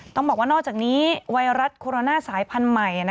ต้องบอกว่านอกจากนี้ไวรัสโคโรนาสายพันธุ์ใหม่